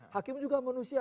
hakim juga manusia